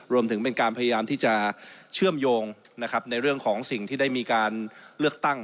รวมถึงเป็นการพยายามที่จะเชื่อมโยงนะครับในเรื่องของสิ่งที่ได้มีการเลือกตั้ง